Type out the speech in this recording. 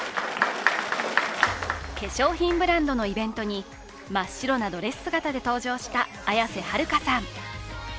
化粧品ブランドのイベントに真っ白なドレス姿で登場した綾瀬はるかさん。